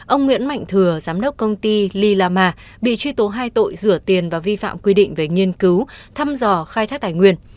ông nguyễn mạnh thừa giám đốc công ty lila ma bị truy tố hai tội rửa tiền và vi phạm quy định về nghiên cứu thăm dò khai thác tài nguyên